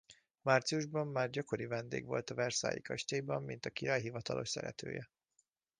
Márciusban már gyakori vendég volt a versailles-i kastélyban mint a király hivatalos szeretője.